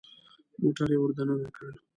موټر يې ور دننه کړ.